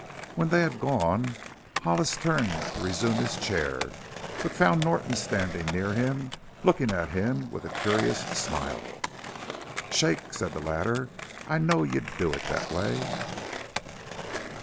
When they had gone Hollis turned to resume his chair, but found Norton standing near him, looking at him with a curious smile. "Shake!" said the latter. "I knowed you'd do it that way!"